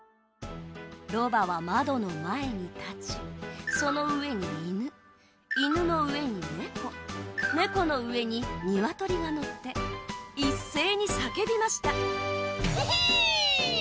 ロバは窓の前に立ちその上に犬犬の上に猫猫の上にニワトリが乗って一斉に叫びましたヒヒーン！